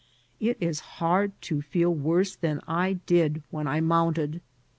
It is hard to feel worse than I did when I mounted.